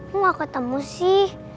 gue gak ketemu sih